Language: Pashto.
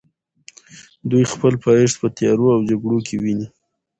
دوی خپل پایښت په تیارو او جګړو کې ویني.